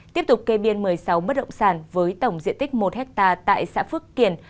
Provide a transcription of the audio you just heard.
tiếp tục kê biên một mươi sáu bất động sản với tổng diện tích một hectare tại xã phước kiển